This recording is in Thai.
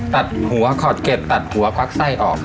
ตัดหัวขอดเก็ตตัดหัวควักไส้ออก